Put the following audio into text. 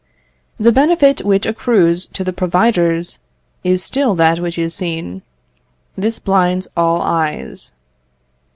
The benefit which accrues to the providers is still that which is seen. This blinds all eyes.